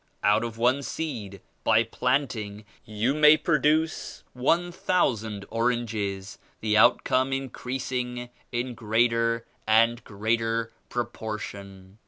Out of one seed, by planting, you may produce one thousand oranges; the outcome increasing in greater and greater proportion.